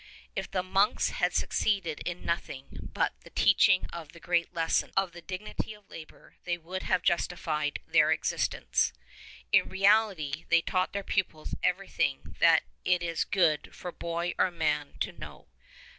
If the monks had succeeded in nothing but the teaching* of the great lesson of the dignity of labour they would have justified their existence; in reality they taught their pupils everything that it is good for boy or man to know.